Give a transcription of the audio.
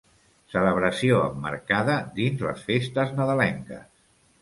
Celebració emmarcada dins les festes nadalenques.